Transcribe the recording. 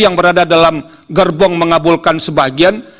yang berada dalam gerbong mengabulkan sebagian